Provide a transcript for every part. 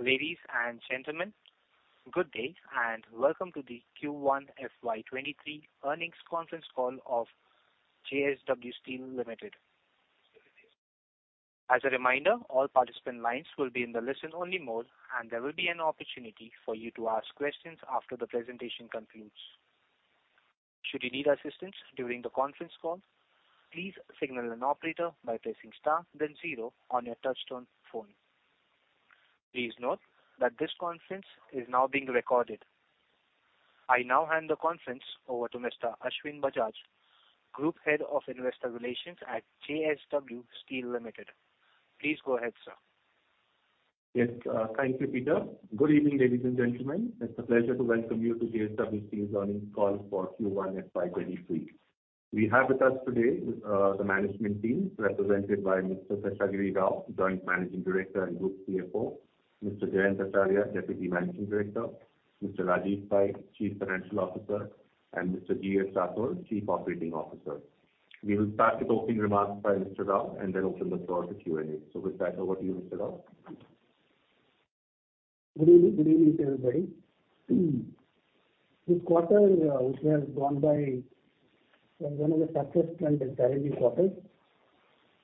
Ladies and gentlemen, good day, and welcome to the Q1 FY23 earnings conference call of JSW Steel Limited. As a reminder, all participant lines will be in the listen only mode, and there will be an opportunity for you to ask questions after the presentation concludes. Should you need assistance during the conference call, please signal an operator by pressing star then zero on your touchtone phone. Please note that this conference is now being recorded. I now hand the conference over to Mr. Ashwin Bajaj, Group Head of Investor Relations at JSW Steel Limited. Please go ahead, sir. Yes, thank you, Peter. Good evening, ladies and gentlemen. It's a pleasure to welcome you to JSW Steel's earnings call for Q1 FY23. We have with us today, the management team represented by Mr. Seshagiri Rao, Joint Managing Director and Group CFO, Mr. Jayant Acharya, Deputy Managing Director, Mr. Rajeev Pai, Chief Financial Officer, and Mr. G.S. Rathore, Chief Operating Officer. We will start with opening remarks by Mr. Rao and then open the floor to Q&A. With that, over to you, Mr. Rao. Good evening. Good evening, everybody. This quarter, which has gone by, was one of the successful and challenging quarters,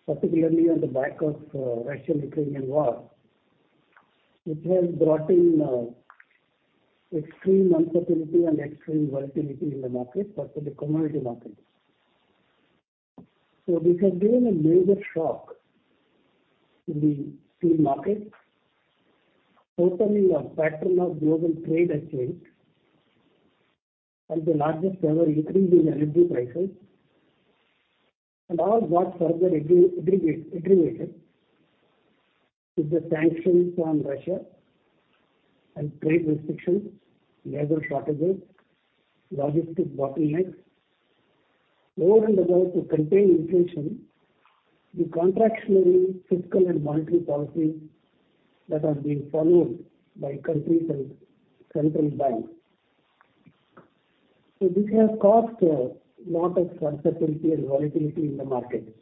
particularly on the back of the Russian-Ukrainian war, which has brought in extreme uncertainty and extreme volatility in the market, especially commodity market. This has given a major shock in the steel market. Totally a pattern of global trade has changed with the largest ever increase in energy prices. All got further aggravated with the sanctions on Russia and trade restrictions, labor shortages, logistic bottlenecks. Moreover, to contain inflation, the contractionary fiscal and monetary policies that are being followed by countries and central banks. This has caused a lot of uncertainty and volatility in the market.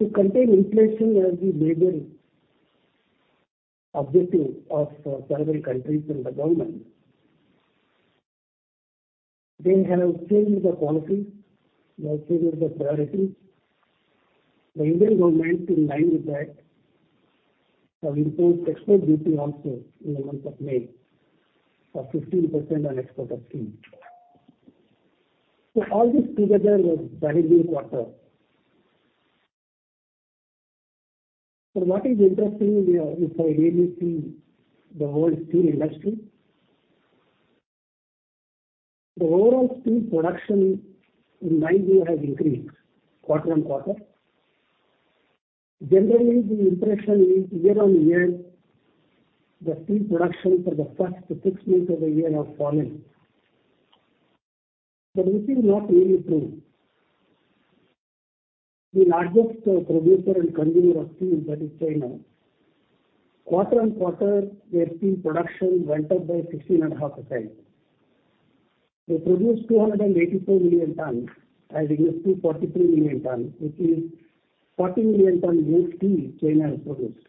To contain inflation as the major objective of several countries and the government, they have changed the policies, they have changed the priorities. The Indian government, in line with that, have imposed export duty also in the month of May of 15% on export of steel. All this together was challenging quarter. What is interesting here if I really see the whole steel industry. The overall steel production in my view has increased quarter-over-quarter. Generally, the impression is year-over-year, the steel production for the first six months of the year have fallen. This is not really true. The largest producer and consumer of steel, that is China, quarter-over-quarter, their steel production went up by 16.5%. They produced 284 million tons as against 243 million tons, which is 40 million ton more steel China has produced.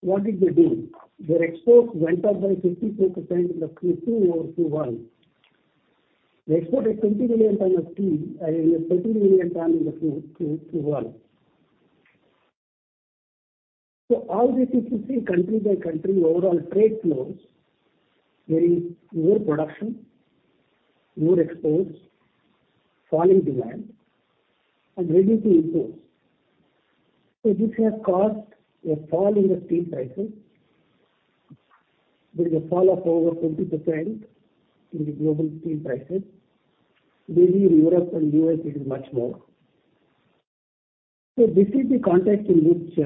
What did they do? Their exports went up by 54% in the Q2 over Q1. They exported 20 million tons of steel, 20 million tons in the Q2 21. All this if you see country by country overall trade flows, there is more production, more exports, falling demand and ready to import. This has caused a fall in the steel prices. There is a fall of over 20% in the global steel prices. Maybe in Europe and U.S. it is much more. This is the context in which we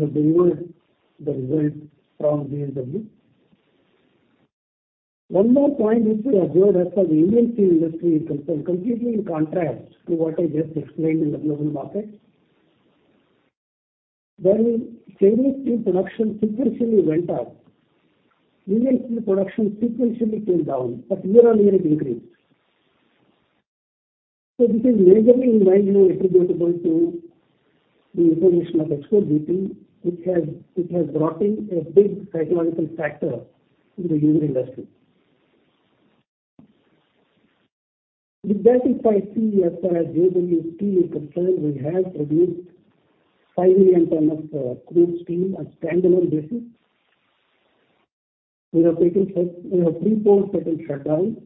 have delivered the results from JSW. One more point if we observe as far as Indian steel industry is concerned, completely in contrast to what I just explained in the global market. While Chinese steel production sequentially went up, Indian steel production sequentially came down, but year-on-year it increased. This is majorly in my view attributable to the imposition of export duty, which has brought in a big psychological factor in the Indian industry. Regardless, I see as far as JSW is concerned, we have produced five million tons of crude steel on standalone basis. We have taken steps. We have pre-closed certain shutdowns.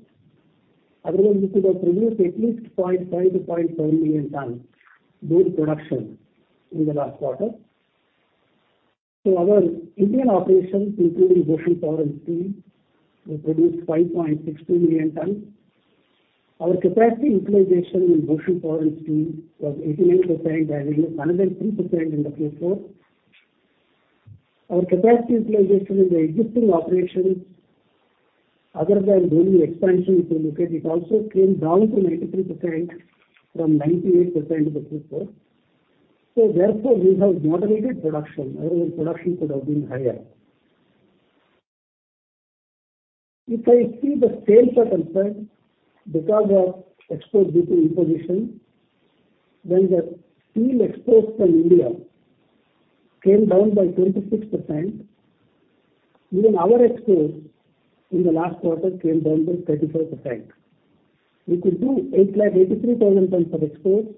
Otherwise, we could have produced at least 0.5-0.7 million tons more production in the last quarter. Our Indian operations, including Bhushan Power and Steel, we produced 5.62 million tons. Our capacity utilization in Bhushan Power and Steel was 89% as against 103% in the Q4. Our capacity utilization in the existing operations other than Dolvi expansion if you look at, it also came down to 93% from 98% in the Q4. Therefore, we have moderated production. Otherwise, production could have been higher. As far as sales are concerned because of export duty imposition, then the steel exports from India came down by 26%. Even our exports in the last quarter came down to 34%. We could do 8.83 million tons of exports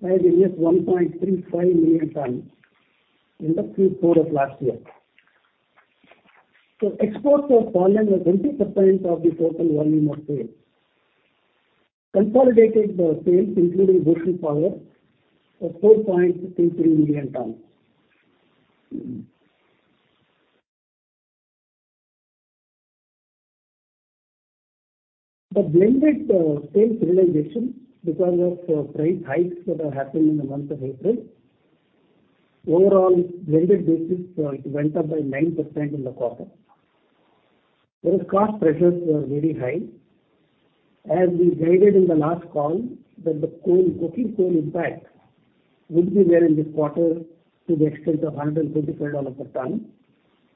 versus 1.35 million tons in the Q4 of last year. Exports have fallen 20% of the total volume of sales. Consolidated sales including Bhushan Power are 4.63 million tons. The blended sales realization because of price hikes that have happened in the month of April. Overall, blended basis, it went up by 9% in the quarter. Whereas cost pressures were very high. As we guided in the last call that the coal, coking coal impact would be there in this quarter to the extent of $125 per ton.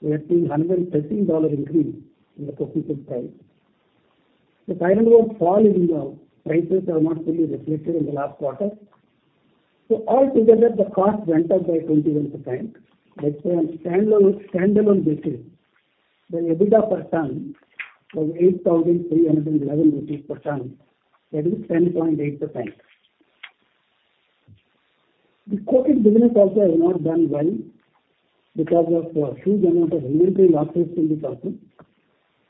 We have seen $113 increase in the coking coal price. The iron ore fall in prices are not fully reflected in the last quarter. All together, the cost went up by 21%. Like from standalone basis, the EBITDA per ton was 8,311 rupees per ton, that is 10.8%. The coated business also has not done well because of a huge amount of inventory losses in the segment.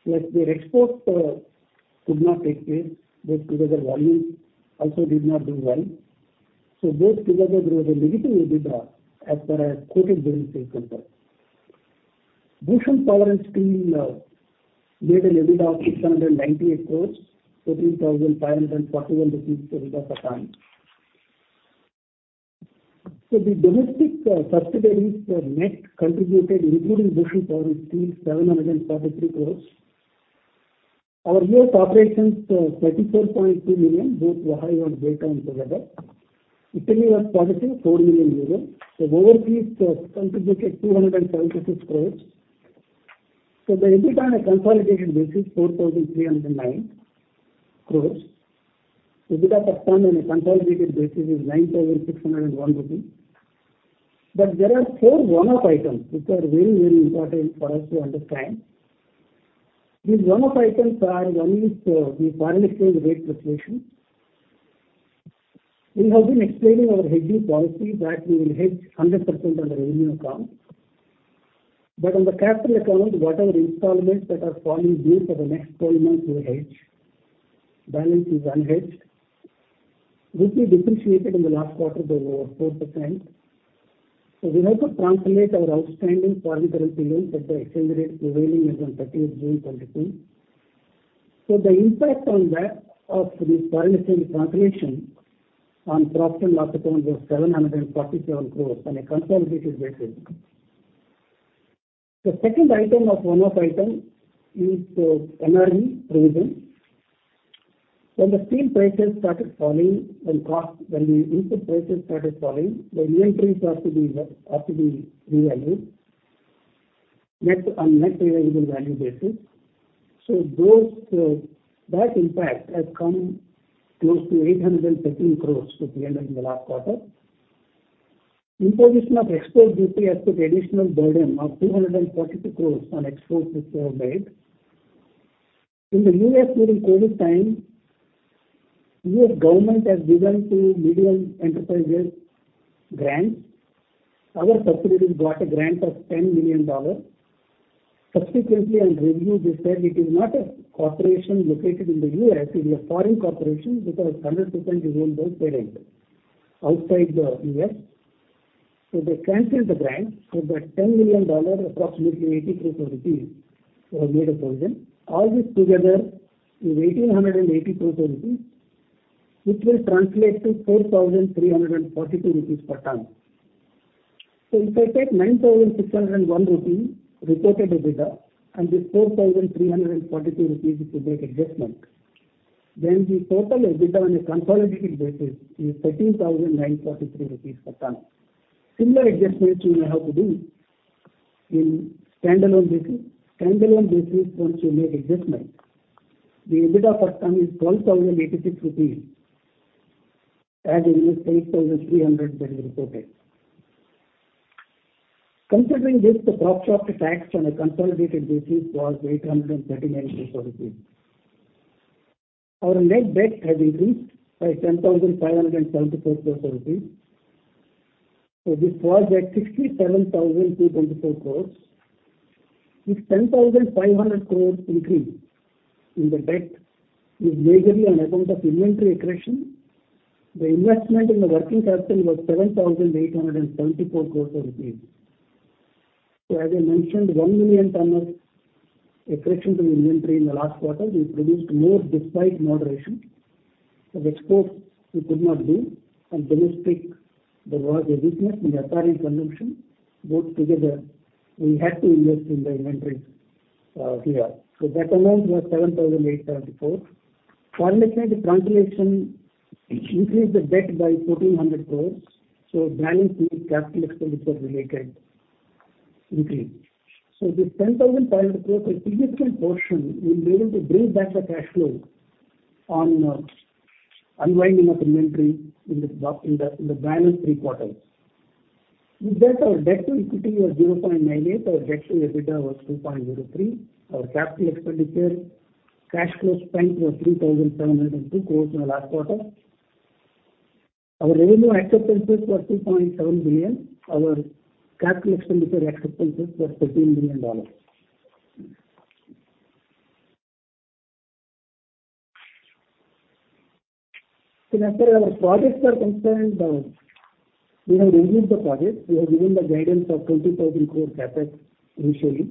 Like their exports could not take place. Those together volumes also did not do well. Those together there was a negative EBITDA as per our coated business segment. Bhushan Power and Steel made an EBITDA of INR 698 crores, INR 13,541 per ton. The domestic subsidiaries net contributed including Bhushan Power and Steel, 743 crores. Our US operations, $34.2 million, both Ohio and Baytown together. Italy was positive, 4 million euro. Overseas contributed 276 crores. The EBITDA on a consolidated basis, INR 4,309 crores. EBITDA per ton on a consolidated basis is 9,601 rupees. But there are four one-off items which are very, very important for us to understand. These one-off items are, one is, the foreign exchange rate fluctuations. We have been explaining our hedging policy that we will hedge 100% on the revenue account. On the capital account, whatever installments that are falling due for the next 12 months we hedge. Balance is unhedged. Which we depreciated in the last quarter by over 4%. We have to translate our outstanding foreign currency loans at the exchange rate prevailing as on 30 June 2022. The impact on that of this foreign exchange fluctuation on profit and loss account was 747 crores on a consolidated basis. The second item of one-off item is, MTM provision. When the input prices started falling, the inventories have to be revalued. Net, on net realizable value basis. Those, that impact has come close to 813 crores to be earned in the last quarter. Imposition of export duty has put additional burden of 242 crore on exports which were made. In the U.S. during COVID time, U.S. government has given to medium enterprises grants. Our subsidiary got a grant of $10 million. Subsequently, on review they said it is not a corporation located in the U.S., it is a foreign corporation because 100% is owned by parent outside the U.S. They canceled the grant. That $10 million, approximately 83 crore rupees were made a provision. All this together is 1,882 crore rupees, which will translate to 4,342 rupees per ton. If I take 9,601 rupees reported EBITDA, and this 4,342 rupees to make adjustment, then the total EBITDA on a consolidated basis is INR 13,943 per ton. Similar adjustments we may have to do in standalone basis. Standalone basis once you make adjustment, the EBITDA per ton is 12,086 rupees as against 8,300 that we reported. Considering this, the profit after tax on a consolidated basis was 839 crore rupees. Our net debt has increased by 10,574 crore rupees. This was at 67,224 crores. This 10,500 crores increase in the debt is majorly on account of inventory accretion. The investment in the working capital was 7,874 crore rupees. As I mentioned, one million tons of accretion to inventory in the last quarter. We produced more despite moderation. The exports we could not do and domestic there was a weakness in the apparent consumption. Both together, we had to invest in the inventories, here. That amount was 7,874 crores. For the quarter the translation increased the debt by 1,400 crores. Balance sheet capital expenditure related increase. This 10,500 crores, a significant portion, we'll be able to bring back the cash flow on unwinding of inventory in the balance three quarters. With that our debt to equity was 0.98. Our debt to EBITDA was 2.03. Our capital expenditure cash flow spend was 3,702 crores in the last quarter. Our revenue acceptances were 2.7 billion. Our capital expenditure acceptances were $13 billion. As per our projects are concerned, we have reviewed the projects. We have given the guidance of 20,000 crore CapEx initially.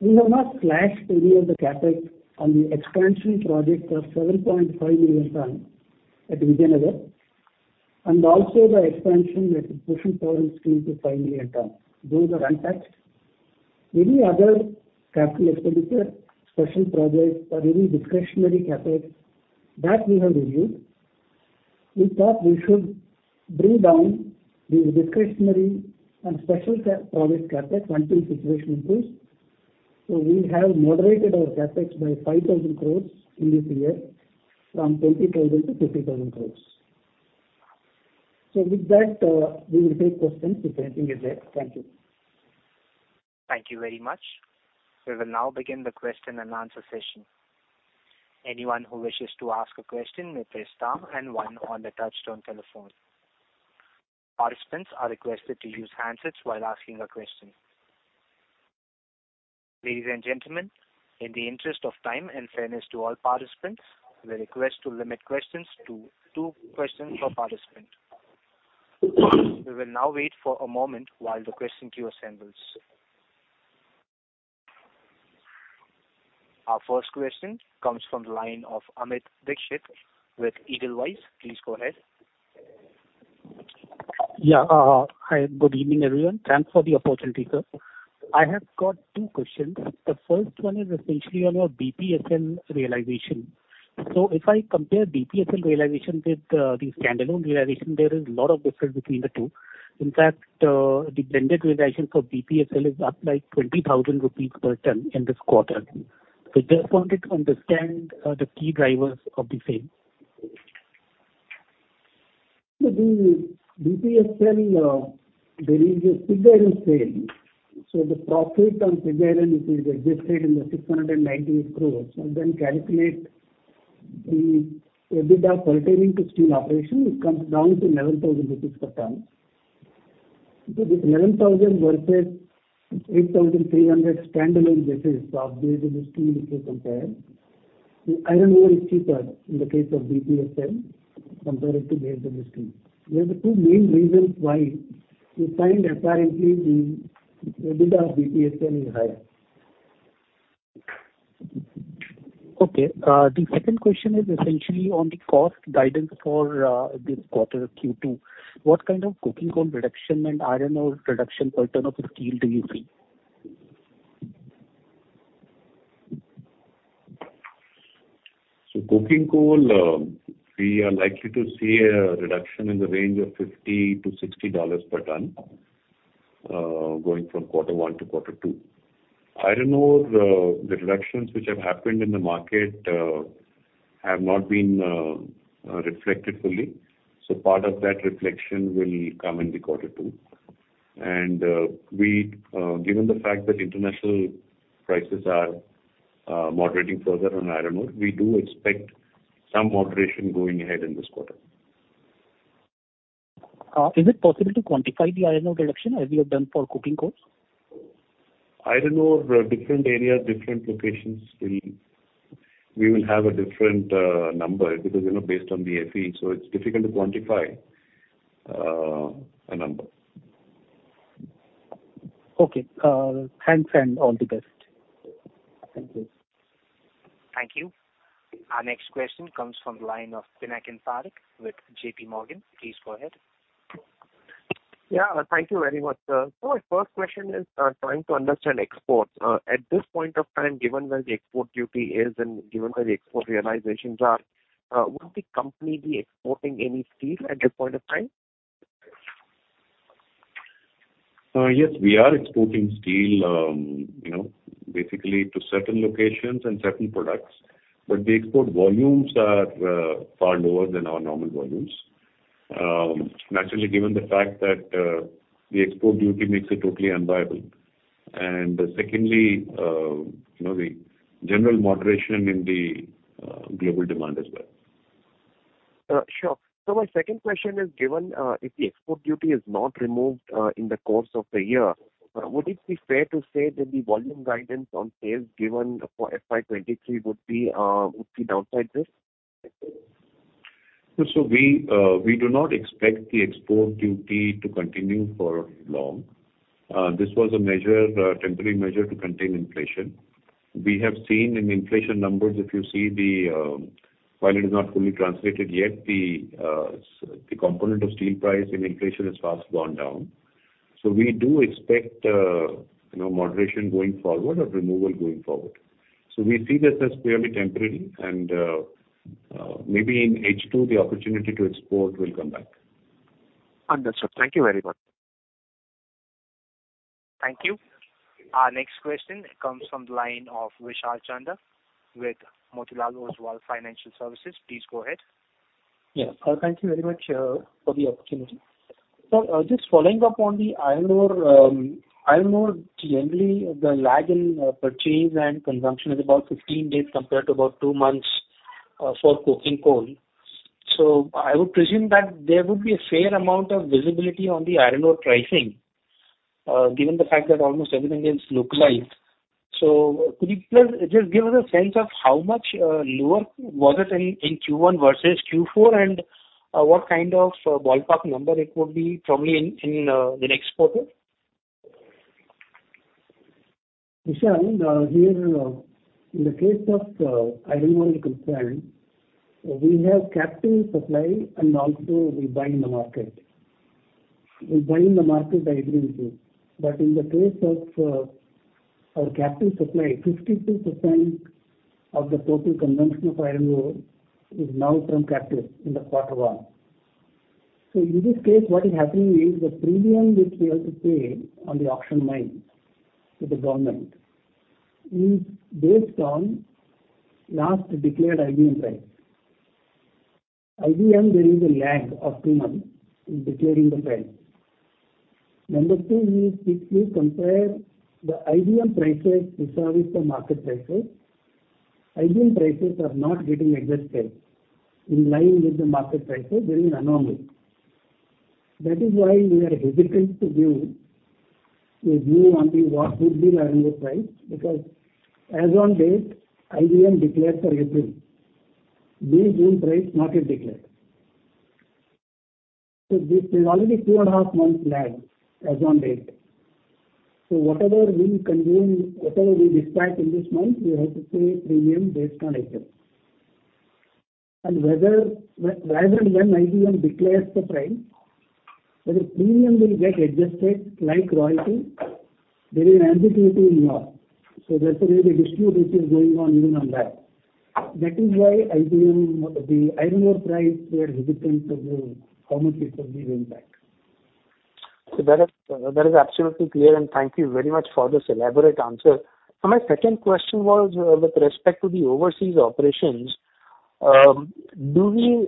We have not slashed any of the CapEx on the expansion projects of 7.5 million ton at Vijayanagar, and also the expansion at Bhushan Power and Steel to five million ton. Those are on track. Any other capital expenditure, special projects or any discretionary CapEx, that we have reviewed. We thought we should bring down the discretionary and special project CapEx until situation improves. We have moderated our CapEx by 5,000 crore in this year from 20,000 crore to INR 15,000 crore. With that, we will take questions if anything is there. Thank you. Thank you very much. We will now begin the question and answer session. Anyone who wishes to ask a question may press star and one on the touchtone telephone. Participants are requested to use handsets while asking a question. Ladies and gentlemen, in the interest of time and fairness to all participants, we request to limit questions to two questions per participant. We will now wait for a moment while the question queue assembles. Our first question comes from the line of Amit Dixit with Edelweiss. Please go ahead. Yeah. Hi, good evening, everyone. Thanks for the opportunity, sir. I have got two questions. The first one is essentially on your BPSL realization. If I compare BPSL realization with the standalone realization, there is a lot of difference between the two. In fact, the blended realization for BPSL is up like 20,000 rupees per ton in this quarter. Just wanted to understand the key drivers of the same. The BPSL, there is a pig iron sale. The profit on pig iron, which is adjusted in the 698 crore, and then calculate the EBITDA pertaining to steel operation, it comes down to 11,000 rupees per ton. This 11,000 versus 8,300 standalone basis of Bhushan Steel, if you compare, the iron ore is cheaper in the case of BPSL compared to Bhushan Steel. There are the two main reasons why you find apparently the EBITDA of BPSL is higher. Okay. The second question is essentially on the cost guidance for this quarter Q2. What kind of coking coal reduction and iron ore reduction per ton of steel do you see? Coking coal, we are likely to see a reduction in the range of $50-$60 per ton, going from quarter one to quarter two. Iron ore, the reductions which have happened in the market have not been reflected fully. Part of that reflection will come in quarter two. Given the fact that international prices are moderating further on iron ore, we do expect some moderation going ahead in this quarter. Is it possible to quantify the iron ore reduction as you have done for coking coals? Iron ore, different areas, different locations, we will have a different number because, you know, based on the Fe. It's difficult to quantify a number. Okay. Thanks, and all the best. Thank you. Thank you. Our next question comes from the line of Pinakin Parekh with JP Morgan. Please go ahead. Yeah. Thank you very much, sir. My first question is trying to understand exports. At this point of time, given where the export duty is and given where the export realizations are, would the company be exporting any steel at this point of time? Yes, we are exporting steel, you know, basically to certain locations and certain products. The export volumes are far lower than our normal volumes. Naturally, given the fact that the export duty makes it totally unviable. Secondly, you know, the general moderation in the global demand as well. My second question is given, if the export duty is not removed, in the course of the year, would it be fair to say that the volume guidance on sales given for FY 2023 would be downside risk? We do not expect the export duty to continue for long. This was a temporary measure to contain inflation. We have seen in inflation numbers while it is not fully translated yet, the component of steel price in inflation has vastly gone down. We do expect you know, moderation going forward or removal going forward. We see this as purely temporary and maybe in H2 the opportunity to export will come back. Understood. Thank you very much. Thank you. Our next question comes from the line of Vishal Chandak with Motilal Oswal Financial Services. Please go ahead. Yeah. Thank you very much for the opportunity. Just following up on the iron ore. Iron ore generally the lag in purchase and consumption is about 15 days compared to about two months for coking coal. I would presume that there would be a fair amount of visibility on the iron ore pricing, given the fact that almost everything is localized. Could you please just give us a sense of how much lower was it in Q1 versus Q4? And what kind of ballpark number it would be probably in the next quarter? Vishal, as far as iron ore is concerned, we have captive supply and also we buy in the market. We buy in the market every month. In the case of our captive supply, 52% of the total consumption of iron ore is now from captive in the quarter one. In this case, what is happening is the premium which we have to pay on the auction mine to the government is based on last declared IBM price. IBM, there is a lag of two months in declaring the price. Number two is if you compare the IBM prices vis-à-vis the market prices, IBM prices are not getting adjusted in line with the market prices. There is an anomaly. That is why we are hesitant to give a view on what would be the iron ore price, because as on date IBM declared for April. May, June price not yet declared. This is already two and a half months lag as on date. Whatever we consume, whatever we dispatch in this month, we have to pay premium based on April. Whether and when IBM declares the price, whether premium will get adjusted like royalty, there is ambiguity in law. That's a real issue which is going on even on that. That is why on the iron ore price, we are hesitant to give commentary for the impact. That is absolutely clear. Thank you very much for this elaborate answer. My second question was with respect to the overseas operations. Do we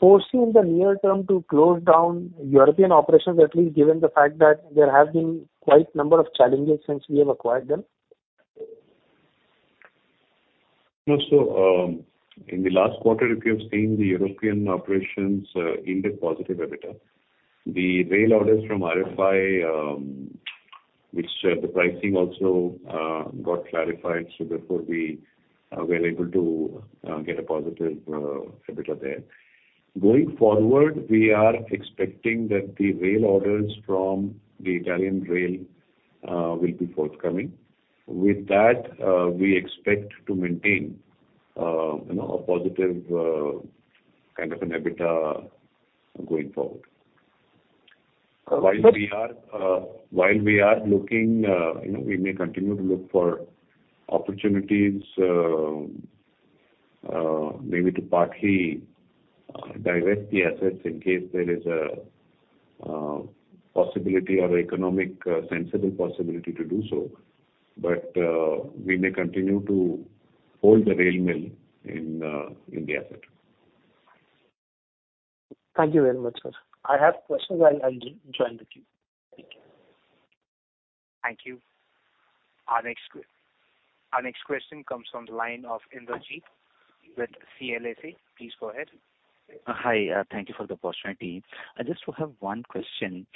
foresee in the near term to close down European operations at least given the fact that there have been quite a number of challenges since we have acquired them? No. In the last quarter, if you have seen the European operations in the positive EBITDA. The rail orders from RFI, which the pricing also got clarified. Therefore we were able to get a positive EBITDA there. Going forward, we are expecting that the rail orders from the Italian rail will be forthcoming. With that, we expect to maintain you know, a positive kind of an EBITDA going forward. While we are looking you know, we may continue to look for opportunities maybe to partly divest the assets in case there is a possibility or economic sensible possibility to do so. We may continue to hold the rail mill in the asset. Thank you very much, sir. I have questions. I'll join the queue. Thank you. Thank you. Our next question comes from the line of Indrajit with CLSA. Please go ahead. Hi. Thank you for the opportunity. I just have one question.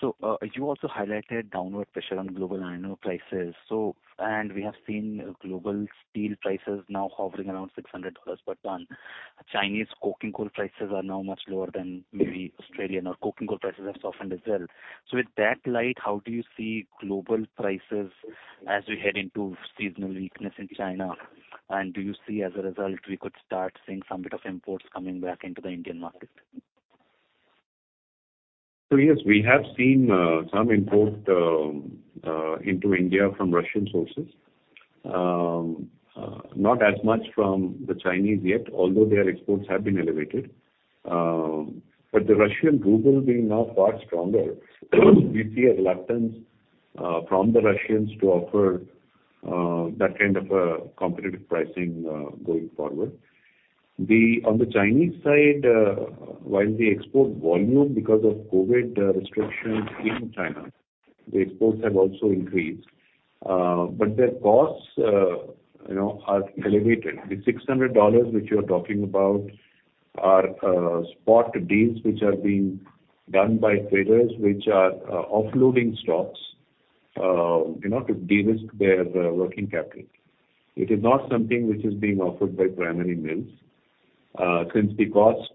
You also highlighted downward pressure on global iron ore prices. We have seen global steel prices now hovering around $600 per tonne. Chinese coking coal prices are now much lower than maybe Australian. Our coking coal prices have softened as well. In light of that, how do you see global prices as we head into seasonal weakness in China? Do you see as a result we could start seeing some bit of imports coming back into the Indian market? Yes, we have seen some import into India from Russian sources. Not as much from the Chinese yet, although their exports have been elevated. The Russian Ruble being now far stronger, we see a reluctance from the Russians to offer that kind of a competitive pricing going forward. On the Chinese side, while the export volume because of COVID restrictions in China, the exports have also increased. Their costs, you know, are elevated. The $600 which you're talking about are spot deals which are being done by traders, which are offloading stocks, you know, to de-risk their working capital. It is not something which is being offered by primary mills, since the cost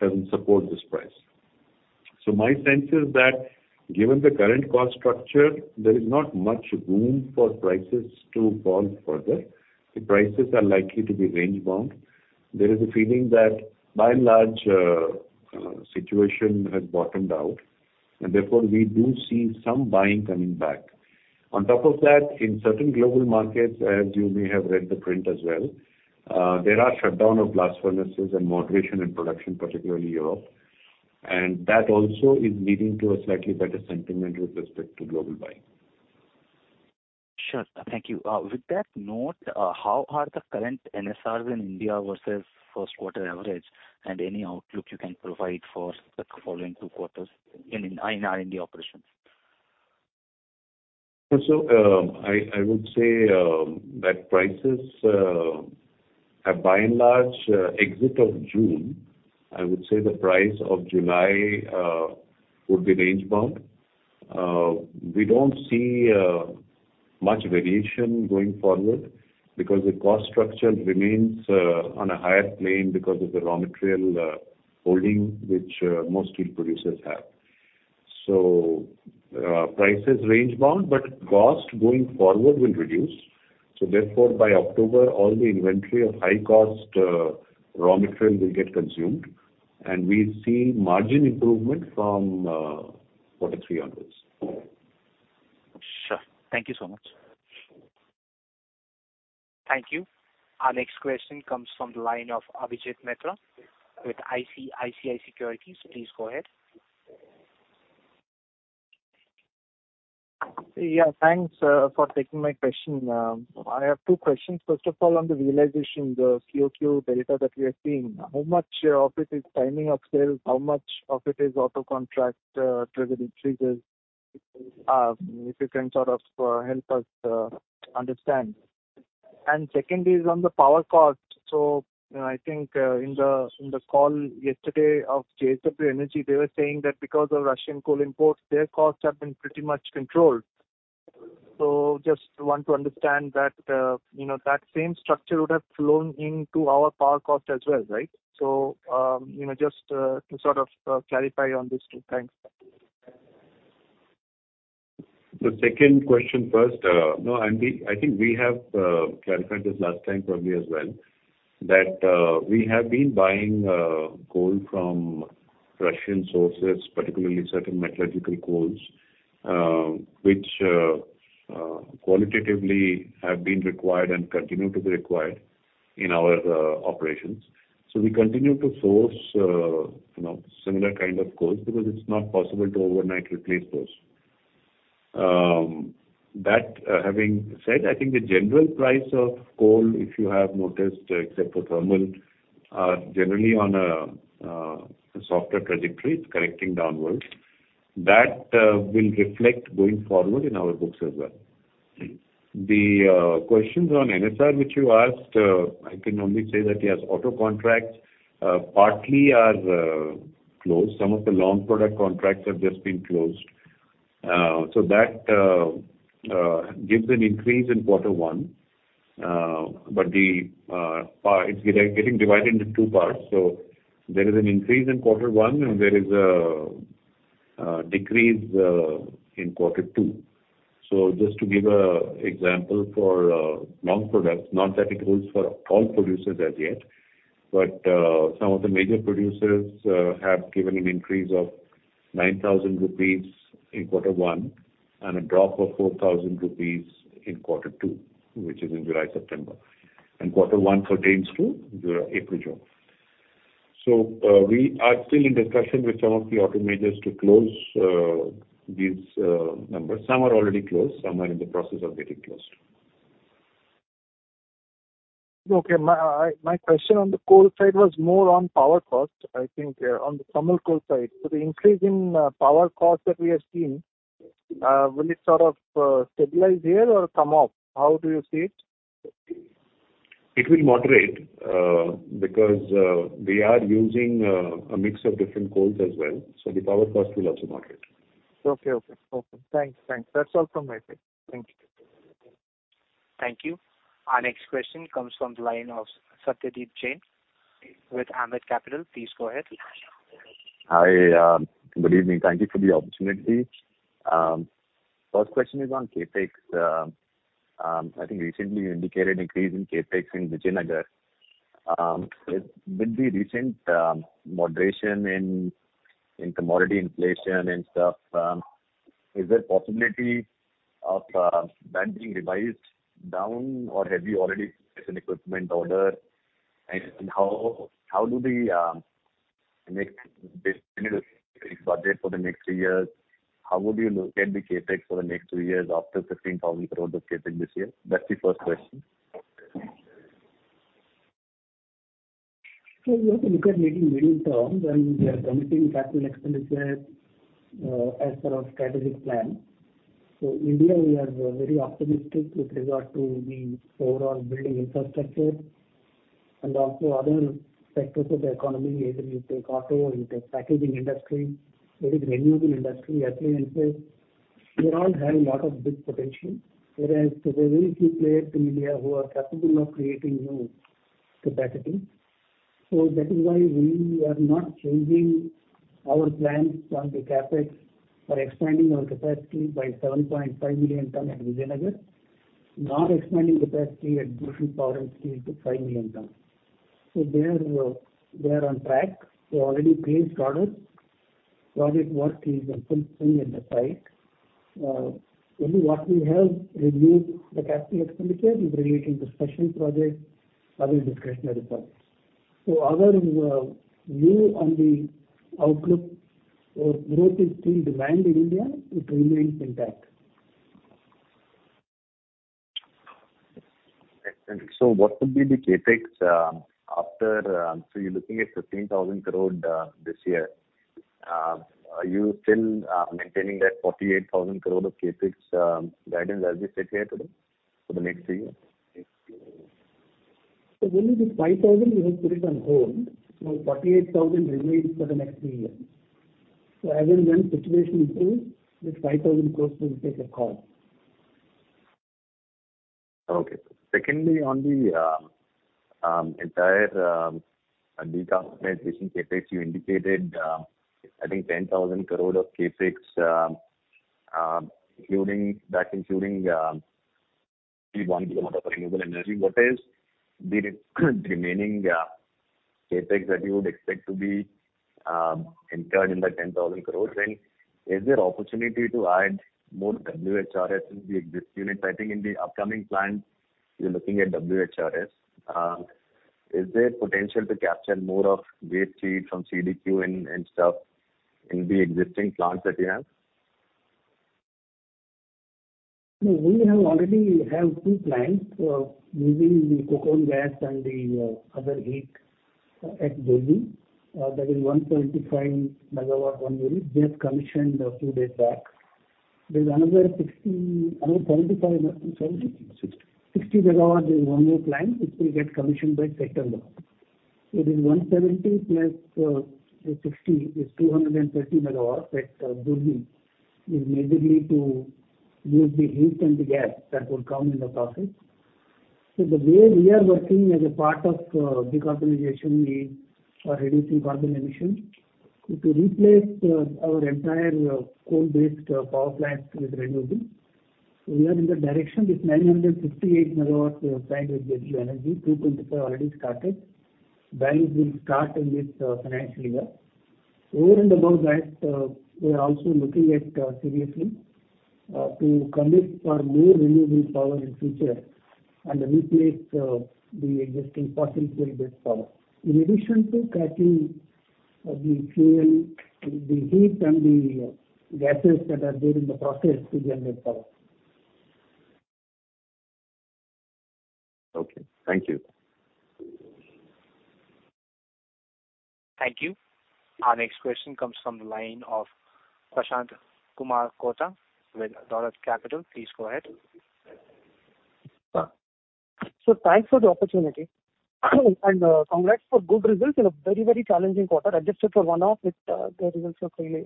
doesn't support this price. My sense is that given the current cost structure, there is not much room for prices to fall further. The prices are likely to be range bound. There is a feeling that by and large, situation has bottomed out and therefore we do see some buying coming back. On top of that, in certain global markets, as you may have read the print as well, there are shutdown of blast furnaces and moderation in production, particularly Europe. That also is leading to a slightly better sentiment with respect to global buying. Sure. Thank you. With that note, how are the current NSR in India versus first quarter average and any outlook you can provide for the following two quarters in our India operations? I would say that prices are by and large exit of June. I would say the price of July would be range bound. We don't see much variation going forward because the cost structure remains on a higher plane because of the raw material holding which most steel producers have. Price is range bound, but cost going forward will reduce. Therefore, by October, all the inventory of high cost raw material will get consumed. We see margin improvement from quarter three onwards. Sure. Thank you so much. Thank you. Our next question comes from the line of Abhijeet Mitra with ICICI Securities. Please go ahead. Yeah, thanks for taking my question. I have two questions. First of all, on the realization, the QoQ delta that we are seeing, how much of it is timing of sales? How much of it is auto contract triggered increases? If you can sort of help us understand. Second is on the power cost. I think in the call yesterday of JSW Energy, they were saying that because of Russian coal imports, their costs have been pretty much controlled. Just want to understand that you know that same structure would have flowed into our power cost as well, right? You know just to sort of clarify on these two. Thanks. The second question first. No, I think we have clarified this last time probably as well, that we have been buying coal from Russian sources, particularly certain metallurgical coals, which qualitatively have been required and continue to be required in our operations. We continue to source you know similar kind of coals because it's not possible to overnight replace those. That having said, I think the general price of coal, if you have noticed, except for thermal, are generally on a softer trajectory. It's correcting downwards. That will reflect going forward in our books as well. The questions on NSR which you asked, I can only say that, yes, auto contracts partly are closed. Some of the long product contracts have just been closed. That gives an increase in quarter one. It is getting divided into two parts. There is an increase in quarter one and there is a decrease in quarter two. Just to give an example for long products, not that it holds for all producers as yet, but some of the major producers have given an increase of 9,000 rupees in quarter one and a drop of 4,000 rupees in quarter two, which is in July-September. Quarter one pertains to the April-June. We are still in discussion with some of the auto majors to close these numbers. Some are already closed, some are in the process of getting closed. Okay. My question on the coal side was more on power cost. I think on the thermal coal side. The increase in power cost that we have seen will it sort of stabilize here or come up? How do you see it? It will moderate, because we are using a mix of different coals as well, so the power cost will also moderate. Okay. Thanks. That's all from my side. Thank you. Thank you. Our next question comes from the line of Satyadeep Jain with Ambit Capital. Please go ahead. Hi. Good evening. Thank you for the opportunity. First question is on CapEx. I think recently you indicated increase in CapEx in Vijayanagar. With the recent moderation in commodity inflation and stuff, is there possibility of that being revised down or have you already placed an equipment order? How does the next budget for the next three years, how would you look at the CapEx for the next three years after 15,000 crore of CapEx this year? That's the first question. We have to look at maybe medium term when we are committing capital expenditure, as per our strategic plan. India, we are very optimistic with regard to the overall building infrastructure and also other sectors of the economy. Either you take auto or you take packaging industry or the renewable industry, appliances. They all have lot of big potential. Whereas there are very few players in India who are capable of creating new capacity. That is why we are not changing our plans on the CapEx for expanding our capacity by 7.5 million tons at Vijayanagar, and expanding capacity at Bhushan Power and Steel to FIVE million tons. They are on track. We already placed orders. Project work is in full swing in the pipeline. Only what we have reviewed, the capital expenditure is relating to special projects, other discretionary projects. Our view on the outlook for growth is still demand in India. It remains intact. Excellent. What would be the CapEx, so you're looking at 15,000 crore this year? Are you still maintaining that 48,000 crore of CapEx guidance as we sit here today for the next three years? Only this 5,000 we have put it on hold. 48,000 remains for the next three years. As and when situation improves, this 5,000 crores will take effect. Okay. Secondly, on the entire decarbonization CapEx you indicated, I think 10,000 crore of CapEx, including 1 GW of renewable energy. What is the remaining CapEx that you would expect to be incurred in the 10,000 crores? Is there opportunity to add more WHRS in the existing units? I think in the upcoming plant you're looking at WHRS. Is there potential to capture more of waste heat from CDQ and stuff in the existing plants that you have? No, we already have two plants using the coke oven gas and the other heat at Jharsuguda. That is 175 MW one unit, just commissioned a few days back. There's another 75, 70? 60. 60 MW is one more plant, which will get commissioned by September. This 170 plus 60 is 230 MW at Jharsuguda, is majorly to use the heat and the gas that would come in the process. The way we are working as a part of decarbonization is for reducing carbon emission is to replace our entire coal-based power plants with renewable. We are in the direction with 958 MW we have signed with JSW Energy, 225 already started. Balance will start in this financial year. Over and above that, we are also looking at seriously to commit for more renewable power in future and replace the existing fossil fuel-based power. In addition to capturing the fuel, the heat and the gases that are there in the process to generate power. Okay. Thank you. Thank you. Our next question comes from the line of Prashant Kumar with Dolat Capital. Please go ahead. Sir. Thanks for the opportunity and, congrats for good results in a very, very challenging quarter. Adjusted for one-off with, the results are clearly,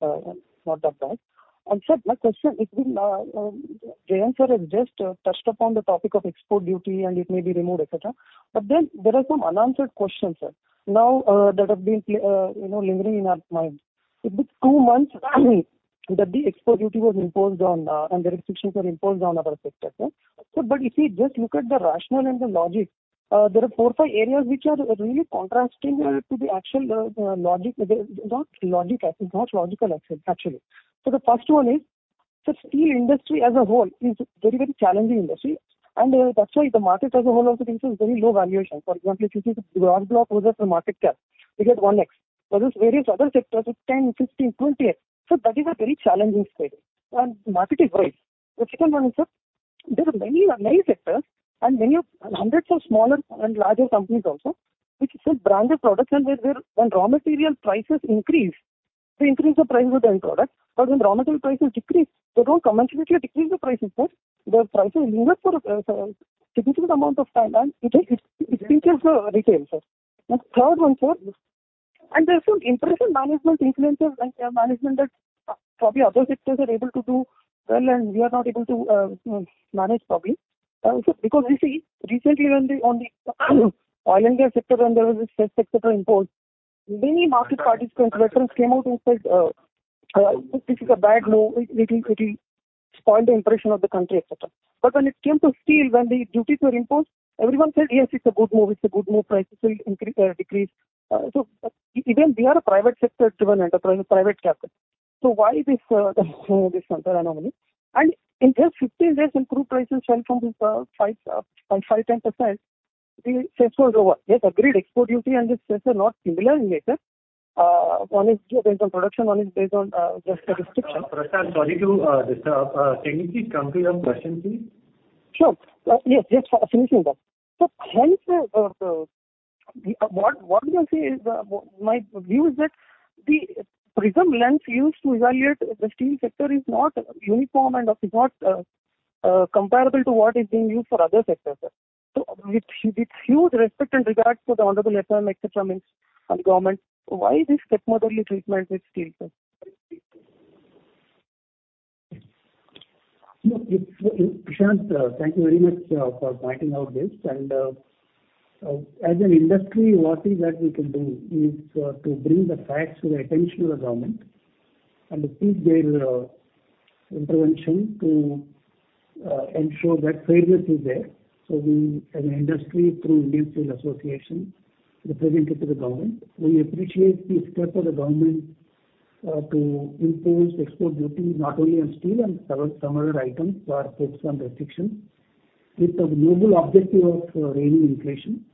not that bad. Sir, my question is, Jayant sir has just touched upon the topic of export duty, and it may be removed, et cetera. There are some unanswered questions, sir. Now, that have been, you know, lingering in our minds. It's been two months that the export duty was imposed on and the restrictions were imposed on our sector, sir. If we just look at the rationale and the logic, there are four or five areas which are really contrasting, to the actual, logic. They're not logic, it's not logical actually. The first one is the steel industry as a whole is very, very challenging industry. That's why the market as a whole also thinks it's very low valuation. For example, if you take the Grasim versus the market cap, we get 1x. Versus various other sectors it's 10, 15, 20x. That is a very challenging space. Market is right. The second one is, sir, there are many, many sectors and many of hundreds of smaller and larger companies also, which sell branded products and where when raw material prices increase, they increase the price of the end product. When raw material prices decrease, they don't commensurately decrease the price, of course. The prices remain for a significant amount of time and it pinch the retail, sir. Third one, sir. There are some impression management influences like your management that probably other sectors are able to do well and we are not able to manage probably. Because we see recently when on the oil and gas sector there was this cess, et cetera, imposed, many market participants, veterans came out and said this is a bad move. It will spoil the impression of the country, et cetera. When it came to steel, when the duties were imposed, everyone said, "Yes, it's a good move. It's a good move. Prices will decrease." Even we are a private sector driven enterprise, private capital. Why this entire anomaly? In just 15 days when crude prices fell from this 5.5 times percent, the cess was over. Yes, agreed export duty and this cess are not similar in nature. One is based on production, one is based on just the restriction. Prashant, sorry to disturb. Can you please come to your question, please? Sure. Yes, yes. Finishing that. Hence, what we can say is, my view is that the prism lens used to evaluate the steel sector is not uniform and is not comparable to what is being used for other sectors, sir. With huge respect and regard for the honorable FM, et cetera, ministry and government, why this stepmotherly treatment with steel, sir? No, it's Prashant, thank you very much for pointing out this. As an industry, what we can do is to bring the facts to the attention of the government and seek their intervention to ensure that fairness is there. We as an industry, through Indian Steel Association, represented to the government. We appreciate the step of the government to impose export duty not only on steel and several similar items for certain restrictions with the noble objective of reining in inflation.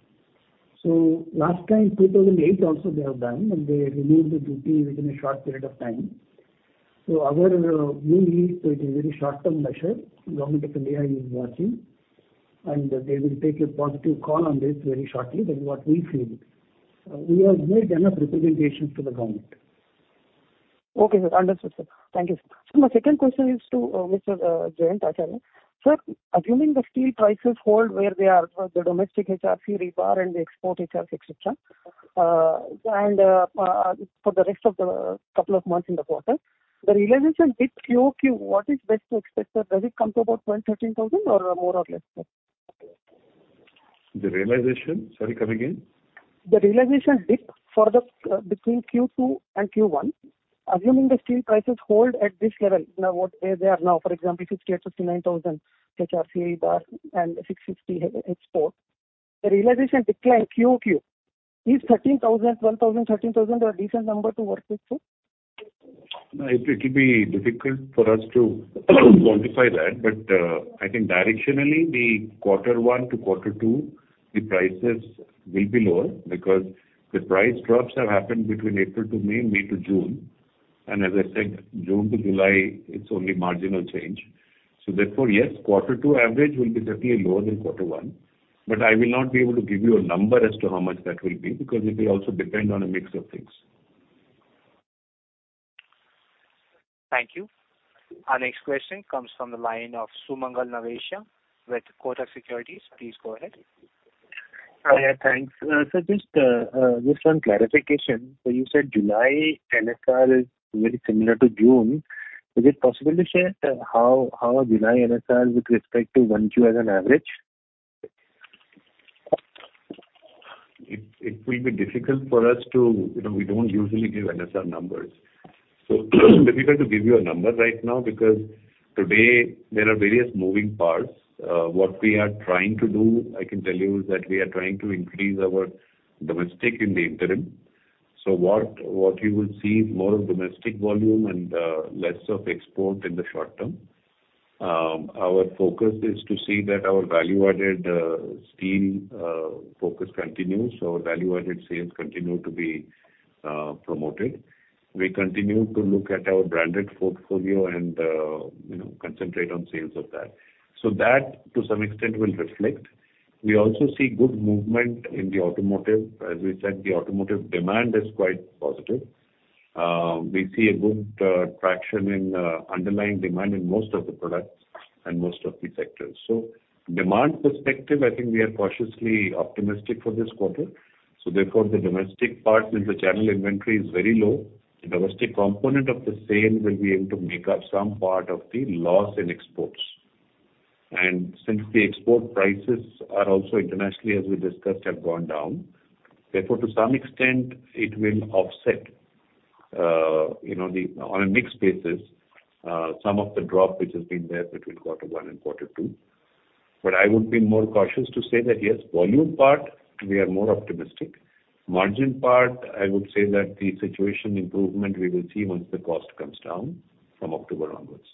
Last time, 2008 also they have done, and they removed the duty within a short period of time. Our view is that it's a very short-term measure. Government of India is watching, and they will take a positive call on this very shortly. That is what we feel. We have made enough representations to the government. Okay, sir. Understood, sir. Thank you. My second question is to Mr. Jayant Acharya. Sir, assuming the steel prices hold where they are, the domestic HRC rebar and the export HRC, et cetera, and for the rest of the couple of months in the quarter, the realization dip QoQ, what is best to expect, sir? Does it come to about 12-13 thousand or more or less, sir? The realization? Sorry, come again. The realization dip between Q2 and Q1. Assuming the steel prices hold at this level now, what they are now, for example, 58,000-59,000 HRC rebar and $660 export. The realization decline QoQ is 13,000, 12,000, 13,000 a decent number to work with, sir? No, it'll be difficult for us to quantify that. I think directionally the quarter one to quarter two, the prices will be lower because the price drops have happened between April to May to June. As I said, June to July, it's only marginal change. Therefore, yes, quarter two average will be certainly lower than quarter one. I will not be able to give you a number as to how much that will be, because it will also depend on a mix of things. Thank you. Our next question comes from the line of Sumangal Nevatia with Kotak Securities. Please go ahead. Hi. Thanks. Sir, just one clarification. You said July NSR is very similar to June. Is it possible to share how July NSR with respect to 1Q as an average? You know, we don't usually give NSR numbers. Difficult to give you a number right now because today there are various moving parts. What we are trying to do, I can tell you, is that we are trying to increase our domestic in the interim. What you will see is more of domestic volume and less of export in the short term. Our focus is to see that our value-added steel focus continues. Our value-added sales continue to be promoted. We continue to look at our branded portfolio and you know, concentrate on sales of that. That to some extent will reflect. We also see good movement in the automotive. As we said, the automotive demand is quite positive. We see a good traction in underlying demand in most of the products and most of the sectors. Demand perspective, I think we are cautiously optimistic for this quarter. Therefore, the domestic part, since the channel inventory is very low, the domestic component of the sale will be able to make up some part of the loss in exports. Since the export prices are also internationally, as we discussed, have gone down, therefore, to some extent it will offset, you know, on a mixed basis, some of the drop which has been there between quarter one and quarter two. I would be more cautious to say that yes, volume part we are more optimistic. Margin part, I would say that the situation improvement we will see once the cost comes down from October onwards.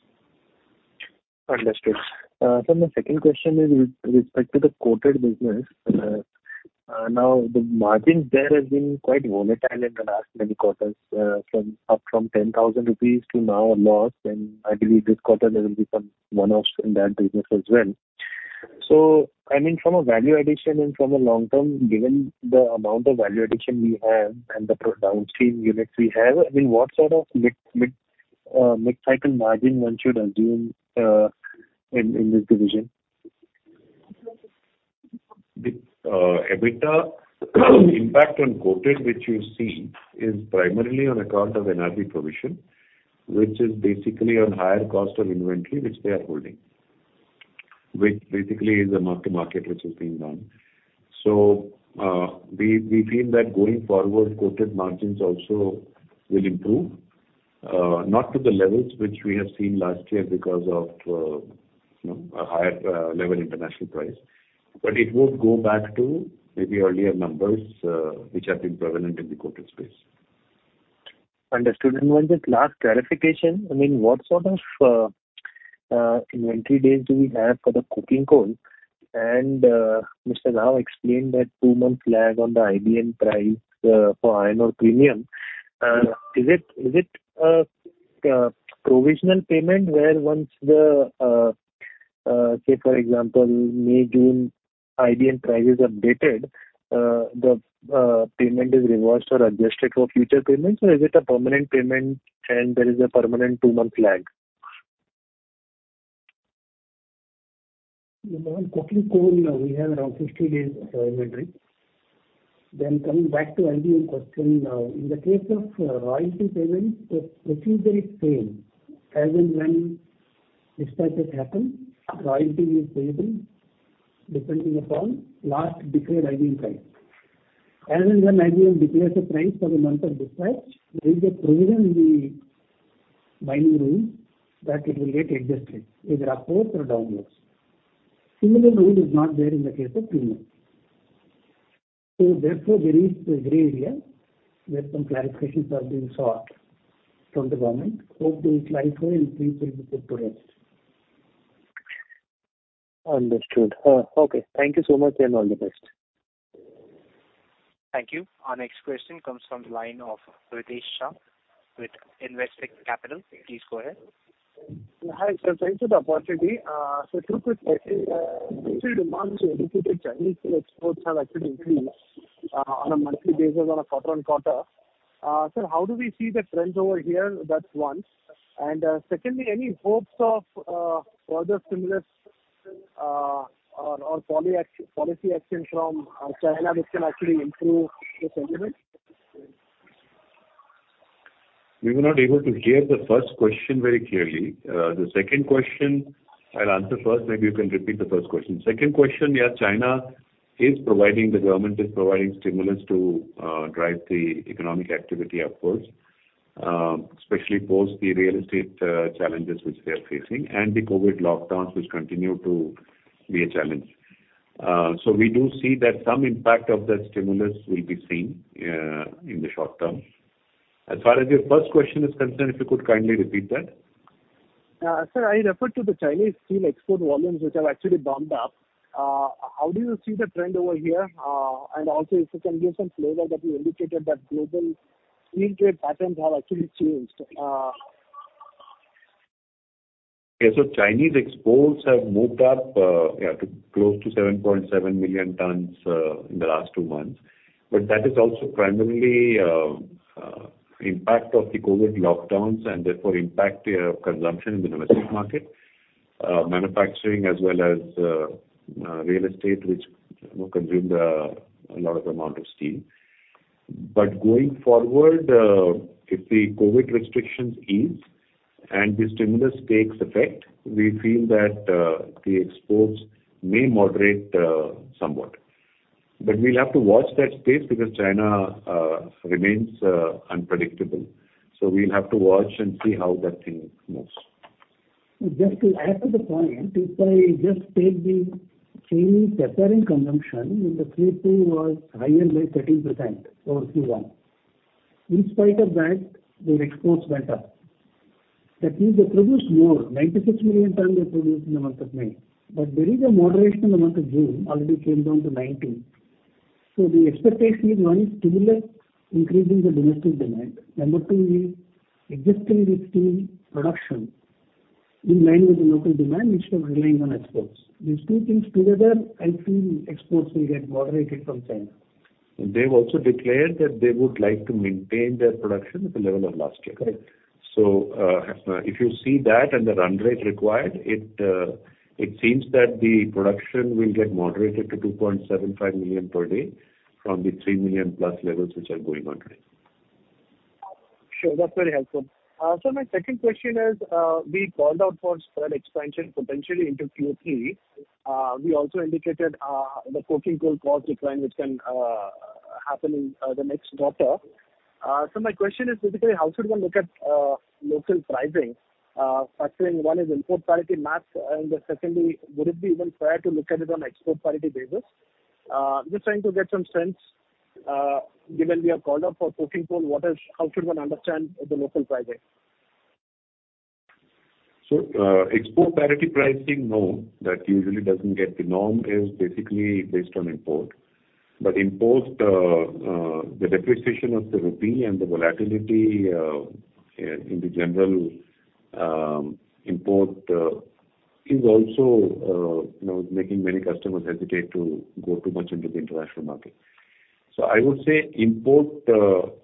Understood. Sir, my second question is with respect to the coated business. Now, the margins there have been quite volatile in the last many quarters, from up to 10,000 rupees to now a loss. I believe this quarter there will be some one-offs in that business as well. I mean from a value addition and from a long term, given the amount of value addition we have and the downstream units we have, I mean what sort of mid-cycle margin one should assume, in this division? The EBITDA impact on coated which you see is primarily on account of NRV provision, which is basically on higher cost of inventory which they are holding. Which basically is a mark to market which is being done. We feel that going forward, coated margins also will improve, not to the levels which we have seen last year because of, you know, a higher level international price. It would go back to maybe earlier numbers, which have been prevalent in the coated space. Understood. One just last clarification. I mean what sort of inventory days do we have for the coking coal? Seshagiri Rao explained that two-month lag on the IBM price for iron ore premium. Is it provisional payment where once the say for example, May, June IBM price is updated, the payment is reversed or adjusted for future payments? Or is it a permanent payment and there is a permanent two-month lag? On coking coal, we have around 60 days of inventory. Coming back to the IBM question. In the case of royalty payment, the procedure is the same as and when dispatches happen. Royalty is payable depending upon the last declared IBM price. When IBM declares the price for the month of dispatch, there is a provision in the mining rule that it will get adjusted, either upwards or downwards. A similar rule is not there in the case of premium. Therefore, there is a gray area where some clarifications are being sought from the government. I hope this will be put to rest. Understood. Okay. Thank you so much, and all the best. Thank you. Our next question comes from the line of Ritesh Shah with Investec Capital. Please go ahead. Hi, sir. Thanks for the opportunity. Two quick questions. Recent months we indicated Chinese exports have actually increased on a monthly basis on a quarter-over-quarter. How do we see the trends over here? That's one. Secondly, any hopes of further stimulus or policy action from China which can actually improve the sentiment? We were not able to hear the first question very clearly. The second question I'll answer first. Maybe you can repeat the first question. Second question, yeah, China is providing, the government is providing stimulus to drive the economic activity upwards, especially post the real estate challenges which they are facing and the COVID lockdowns which continue to be a challenge. So we do see that some impact of that stimulus will be seen in the short term. As far as your first question is concerned, if you could kindly repeat that. Sir, I referred to the Chinese steel export volumes which have actually bumped up. How do you see the trend over here? Also if you can give some flavor that you indicated that global steel trade patterns have actually changed. Chinese exports have moved up to close to 7.7 million tons in the last two months. That is also primarily impact of the COVID lockdowns and therefore impact consumption in the domestic market. Manufacturing as well as real estate, which, you know, consumed a lot of amount of steel. Going forward, if the COVID restrictions ease and the stimulus takes effect, we feel that the exports may moderate somewhat. We'll have to watch that space because China remains unpredictable. We'll have to watch and see how that thing moves. Just to add to the point, if I just take the Chinese apparent consumption in the Q2, it was higher by 13% over Q1. In spite of that, their exports went up. That means they produced more. 96 million tons they produced in the month of May. There is a moderation in the month of June, already came down to 90. The expectation is, one, stimulus increasing the domestic demand. Number two is adjusting the steel production in line with the local demand instead of relying on exports. These two things together, I feel exports will get moderated from China. They've also declared that they would like to maintain their production at the level of last year. Correct. If you see that and the run rate required, it seems that the production will get moderated to 2.75 million per day from the three million-plus levels which are going on today. Sure. That's very helpful. My second question is, we called out for third expansion potentially into Q3. We also indicated the coking coal cost decline which can happen in the next quarter. My question is basically how should one look at local pricing, factoring in import parity math and then secondly, would it be even fair to look at it on export parity basis? Just trying to get some sense, given we have called out for coking coal, what else, how should one understand the local pricing? Export parity pricing, no, that usually doesn't get. The norm is basically based on import. Import, the depreciation of the rupee and the volatility in the general import is also, you know, making many customers hesitate to go too much into the international market. I would say import,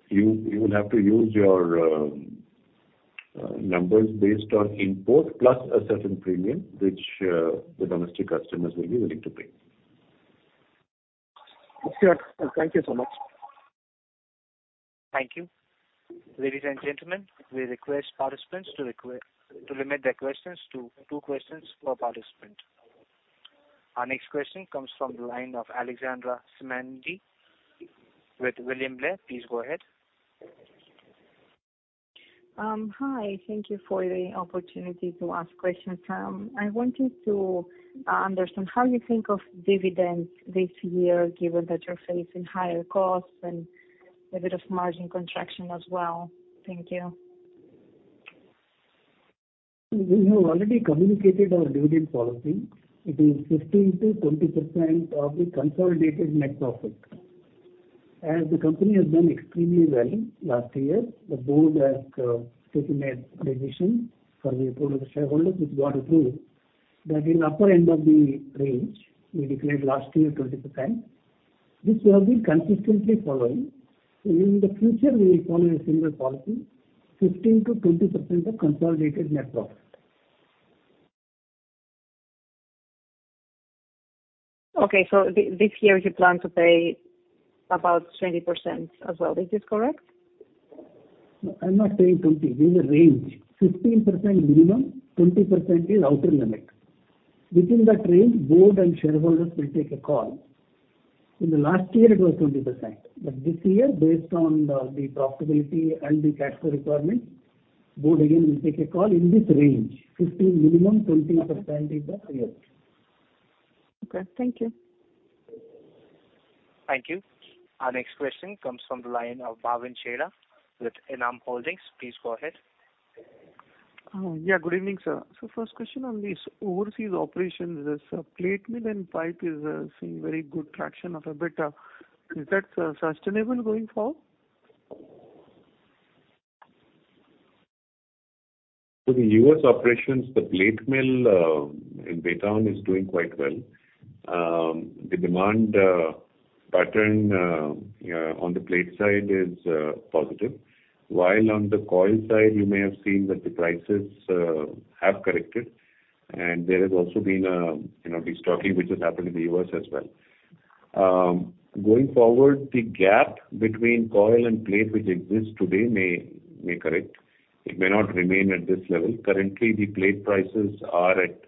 you will have to use your numbers based on import plus a certain premium which the domestic customers will be willing to pay. Sure. Thank you so much. Thank you. Ladies and gentlemen, we request participants to limit their questions to two questions per participant. Our next question comes from the line of Alexandra Symeonidi with William Blair. Please go ahead. Hi. Thank you for the opportunity to ask questions. I wanted to understand how you think of dividends this year, given that you're facing higher costs and a bit of margin contraction as well. Thank you. We have already communicated our dividend policy. It is 15%-20% of the consolidated net profit. As the company has done extremely well in last three years, the board has taken a decision for the approval of the shareholders, which got approved, that in upper end of the range, we declared last year 20%. This we have been consistently following. In the future we will follow a similar policy, 15%-20% of consolidated net profit. Okay. This year you plan to pay about 20% as well. Is this correct? No, I'm not saying 20. This is a range. 15% minimum, 20% is outer limit. Within that range, board and shareholders will take a call. In the last year it was 20%, but this year, based on the profitability and the cash flow requirements, board again will take a call in this range. 15 minimum, 20% is the upper. Okay, thank you. Thank you. Our next question comes from the line of Bhavin Chheda with Enam Holdings. Please go ahead. Oh, yeah. Good evening, sir. First question on these overseas operations. There's a plate mill and pipe mill is seeing very good traction of late. Is that sustainable going forward? For the U.S. operations, the plate mill in Baytown is doing quite well. The demand pattern on the plate side is positive. While on the coil side, you may have seen that the prices have corrected. There has also been, you know, destocking which has happened in the U.S. as well. Going forward, the gap between coil and plate which exists today may correct. It may not remain at this level. Currently, the plate prices are at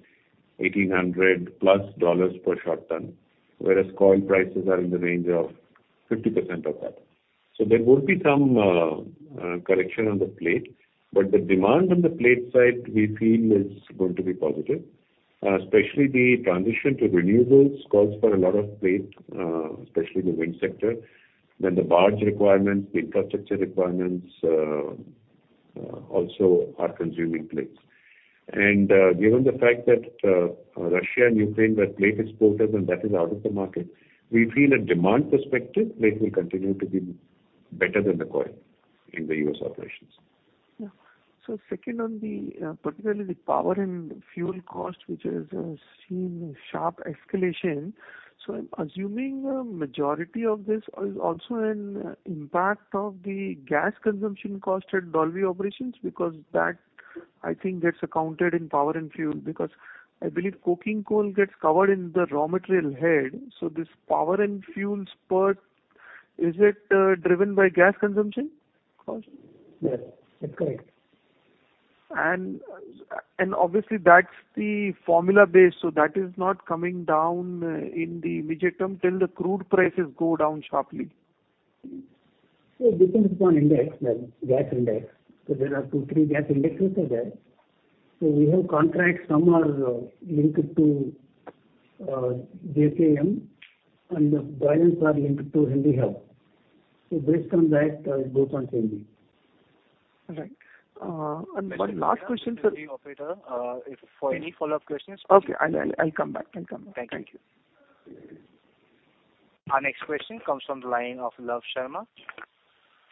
$1,800+ per short ton, whereas coil prices are in the range of 50% of that. There will be some correction on the plate. The demand on the plate side we feel is going to be positive, especially the transition to renewables calls for a lot of plate, especially in the wind sector. The barge requirements, the infrastructure requirements also are consuming plates. Given the fact that Russia and Ukraine were plate exporters and that is out of the market, we feel from a demand perspective plate will continue to be better than the coil in the US operations. Yeah. Second on the, particularly the power and fuel cost, which has seen sharp escalation. I'm assuming a majority of this is also an impact of the gas consumption cost at Dolvi operations, because that, I think, gets accounted in power and fuel, because I believe coking coal gets covered in the raw material head. This power and fuel spurt, is it driven by gas consumption cost? Yes, that's correct. Obviously that's the formula base, so that is not coming down in the immediate term till the crude prices go down sharply. It depends upon index, like gas index. There are two, three gas indexes there. We have contracts, some are linked to JKM and the balance are linked to Henry Hub. Based on that, it goes on changing. All right. One last question, sir. Operator, if for any follow-up questions. Okay. I'll come back. Thank you. Thank you. Our next question comes from the line of Love Sharma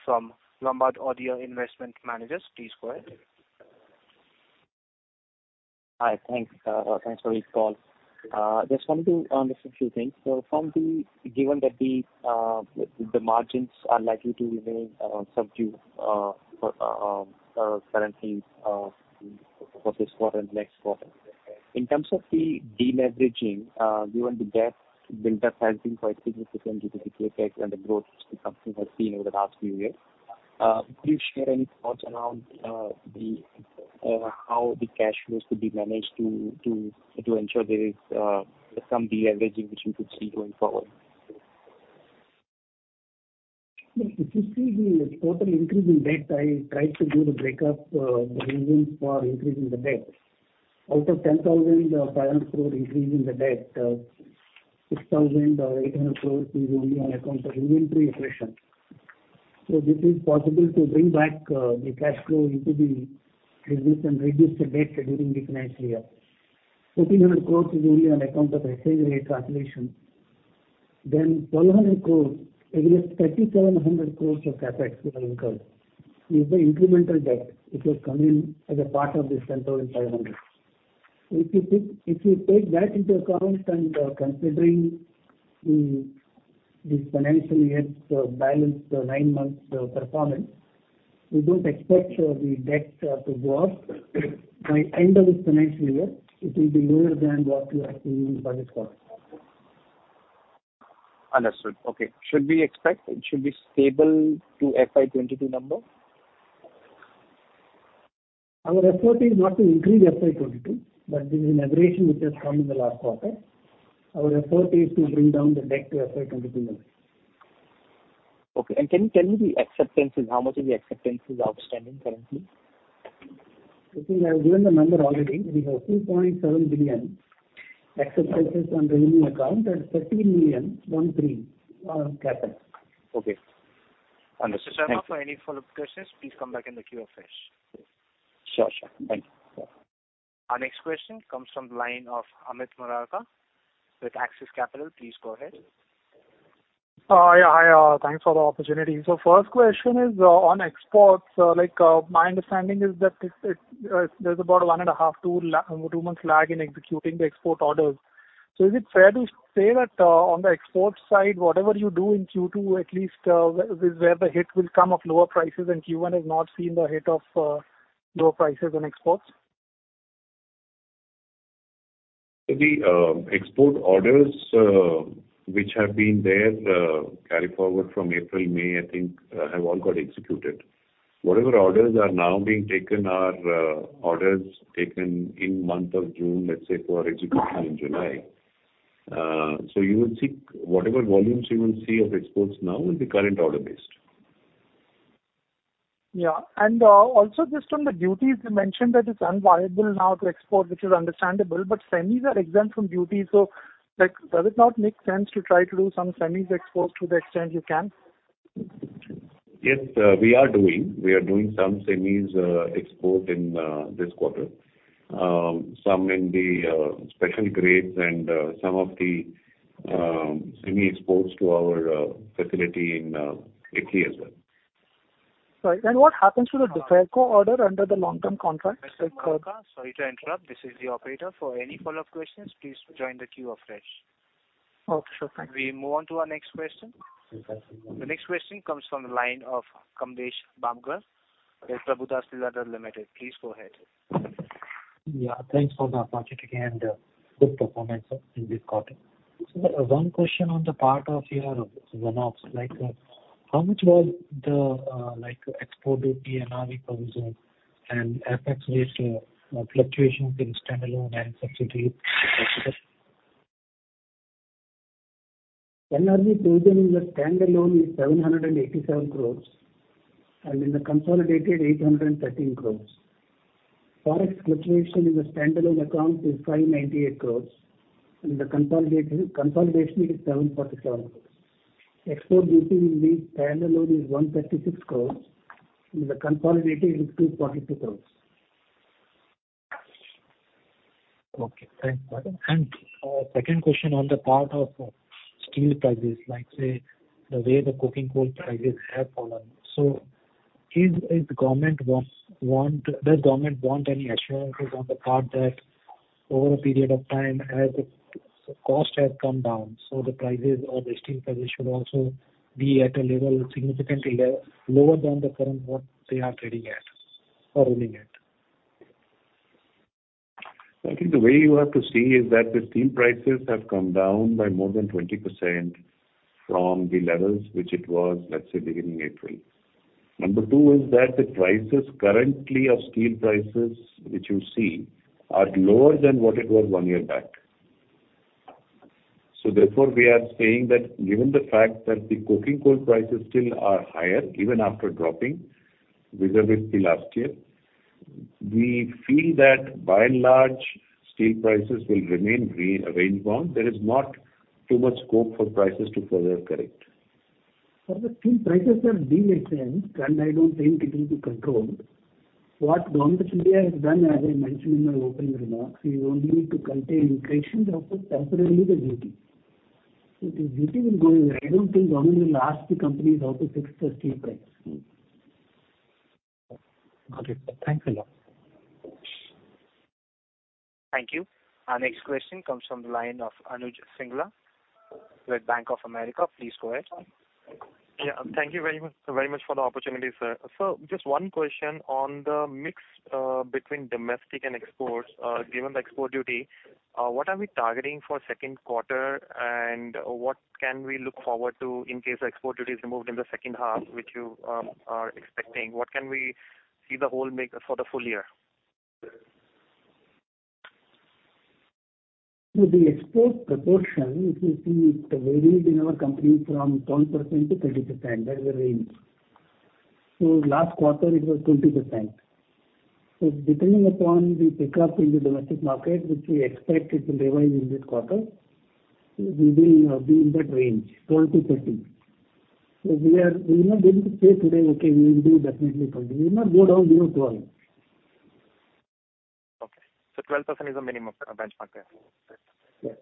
from Lombard Odier Investment Managers. Please go ahead. Hi. Thanks. Thanks for this call. Just wanted to understand a few things. From the given that the margins are likely to remain subdued currently for this quarter and next quarter. In terms of the deleveraging, given the debt build-up has been quite significant due to the CapEx and the growth which the company has seen over the last few years, could you share any thoughts around how the cash flows could be managed to ensure there is some deleveraging which we could see going forward? If you see the total increase in debt, I tried to do the breakdown, the reasons for increasing the debt. Out of 10,500 crore increase in the debt, 6,800 crore is only on account of inventory addition. This is possible to bring back the cash flow into the business and reduce the debt during this financial year. 1,400 crores is only on account of exchange rate translation. Twelve hundred crores against 3,700 crores of CapEx we have incurred is the incremental debt which has come in as a part of this 10,500. If you take that into account and considering the financial year's balance nine months performance, we don't expect the debt to go up. By end of this financial year it will be lower than what you are seeing in budget quarter. Understood. Okay. Should we expect it should be stable to FY 22 number? Our effort is not to increase FY 2022, but this is an acquisition which has come in the last quarter. Our effort is to bring down the debt to FY 2022 numbers. Okay. Can you tell me the acceptances, how much of the acceptance is outstanding currently? You see, I have given the number already. We have 2.7 billion acceptances on revenue account and 13 million, 1.3, CapEx. Okay. Understood. Thank you. Mr. Sharma, for any follow-up questions, please come back in the queue afresh. Sure, sure. Thank you. Our next question comes from the line of Amit Murarka with Axis Capital. Please go ahead. Yeah. Hi, thanks for the opportunity. First question is on exports. Like, my understanding is that there's about 1.5-2 months lag in executing the export orders. Is it fair to say that on the export side, whatever you do in Q2, at least, where the hit will come of lower prices and Q1 has not seen the hit of lower prices on exports? The export orders, which have been there, carried forward from April, May, I think, have all got executed. Whatever orders are now being taken are orders taken in month of June, let's say, for execution in July. You would see whatever volumes you will see of exports now will be current order based. Yeah. Also just on the duties, you mentioned that it's unviable now to export, which is understandable, but semis are exempt from duty. Like, does it not make sense to try to do some semis exports to the extent you can? Yes, we are doing some semis export in this quarter. Some in the special grades and some of the semi exports to our facility in Italy as well. Right. What happens to the DFCCIL order under the long-term contract like? Mr. Murarka, sorry to interrupt. This is the operator. For any follow-up questions, please join the queue afresh. Okay, sure. Thank you. We move on to our next question. Yes, thank you. The next question comes from the line of Kamlesh Bagmar with Prabhudas Lilladher Pvt Ltd. Please go ahead. Yeah. Thanks for the opportunity and good performance in this quarter. One question on the part of your remarks. Like, how much was the like export duty NRV provision and FX-based fluctuations in standalone and subsidiary? NRV provision in the standalone is 787 crores, and in the consolidated, 813 crores. Forex fluctuation in the standalone account is 598 crores. In the consolidation, it's 747 crores. Export duty in the standalone is 136 crores. In the consolidated, it is 242 crores. Okay. Thanks for that. Second question on the part of steel prices, like, say, the way the coking coal prices have fallen. Does government want any assurances on the part that over a period of time as the cost has come down, so the prices or the steel prices should also be at a level significantly lower than the current what they are trading at or earning at? I think the way you have to see is that the steel prices have come down by more than 20% from the levels which it was, let's say, beginning April. Number two is that the prices currently of steel prices which you see are lower than what it was one year back. Therefore, we are saying that given the fact that the coking coal prices still are higher, even after dropping vis-a-vis the last year, we feel that by and large, steel prices will remain range bound. There is not too much scope for prices to further correct. For the steel prices are determined, and I don't think it will be controlled. What Government today has done, as I mentioned in my opening remarks, we only need to contain inflation, therefore temporarily the duty. The duty will go away. I don't think government will ask the companies how to fix the steel price. Got it. Thanks a lot. Thank you. Our next question comes from the line of Anuj Singla with Bank of America. Please go ahead. Thank you very much for the opportunity, sir. Just one question on the mix between domestic and exports. Given the export duty, what are we targeting for second quarter, and what can we look forward to in case the export duty is removed in the second half, which you are expecting? What can we see the whole mix for the full year? The export proportion, if you see it varied in our company from 12% to 30%, that is the range. Last quarter it was 20%. Depending upon the pickup in the domestic market, which we expect it will revive in this quarter, we will be in that range, 12-30. We're not able to say today, okay, we will do definitely 20. We're not ruling out zero to all. Okay. 12% is the minimum benchmark there. Yes.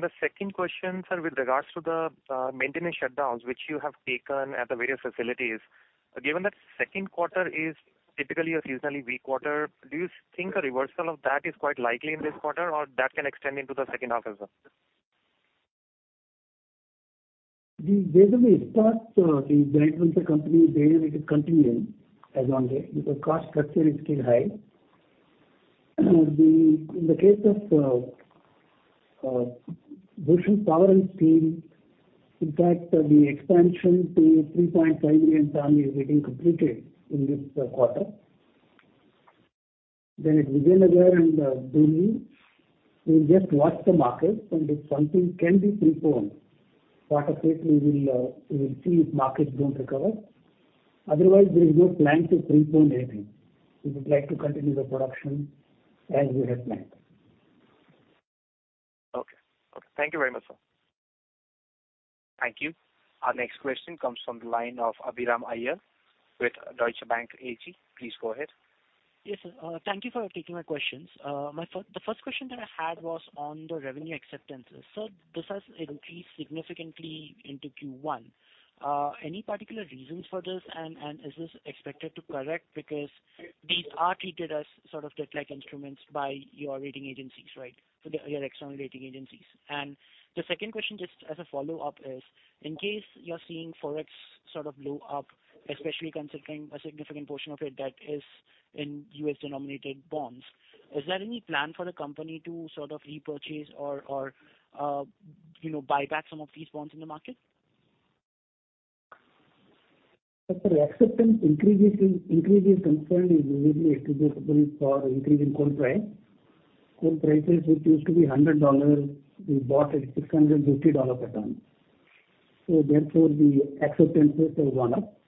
The second question, sir, with regards to the maintenance shutdowns which you have taken at the various facilities. Given that second quarter is typically a seasonally weak quarter, do you think a reversal of that is quite likely in this quarter, or that can extend into the second half as well? The way that we start the maintenance of company daily, we could continue as long as the cost structure is still high. In the case of Bhushan Power and Steel, in fact, the expansion to 3.5 million ton is getting completed in this quarter. At Vijayanagar and Dolvi, we'll just watch the market, and if something can be postponed, fortunately we will see if markets don't recover. Otherwise, there's no plan to postpone anything. We would like to continue the production as we have planned. Okay. Thank you very much, sir. Thank you. Our next question comes from the line of Abhiram Iyer with Deutsche Bank AG. Please go ahead. Yes, sir. Thank you for taking my questions. The first question that I had was on the revenue acceptances. So this has increased significantly into Q1. Any particular reasons for this, and is this expected to correct? Because these are treated as sort of debt-like instruments by your rating agencies, right? Your external rating agencies. The second question, just as a follow-up, is in case you're seeing Forex sort of blow up, especially considering a significant portion of your debt is in U.S. denominated bonds. Is there any plan for the company to sort of repurchase or, you know, buy back some of these bonds in the market? Sir, the acceptance increase is concerned is usually attributable for increase in coal price. Coal prices, which used to be $100, we bought at $650 per ton. The acceptance rates have gone up.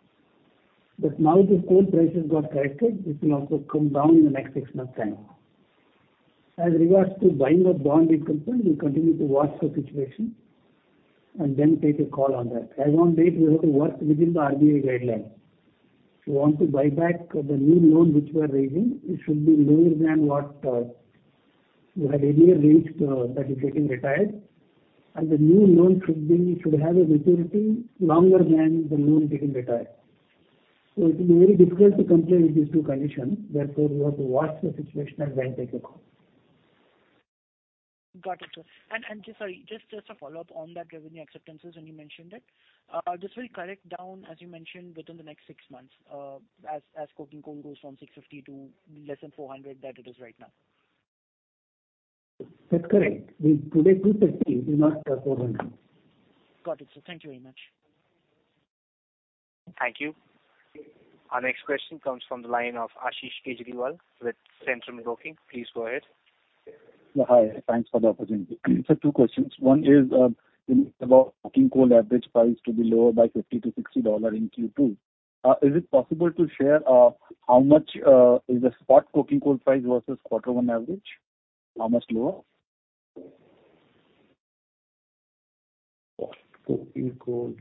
Now that coal prices got corrected, it will also come down in the next six months' time. As regards to buying of bond is concerned, we continue to watch the situation and then take a call on that. As on date, we have to work within the RBI guidelines. If you want to buy back the new loan which we are raising, it should be lower than what you had earlier raised that is getting retired. The new loan should have a maturity longer than the loan getting retired. It's very difficult to comply with these two conditions. Therefore, we have to watch the situation and then take a call. Got it, sir. Sorry, just a follow-up on that revenue acceptances, and you mentioned it. This will correct down, as you mentioned, within the next six months, as coking coal goes from $650 to less than $400 that it is right now. That's correct. Today 2:30, we must cut 400. Got it, sir. Thank you very much. Thank you. Our next question comes from the line of Ashish Kejriwal with Centrum Broking. Please go ahead. Hi. Thanks for the opportunity. Two questions. One is about coking coal average price to be lower by $50-$60 in Q2. Is it possible to share how much is the spot coking coal price versus quarter one average? How much lower? Coking coal.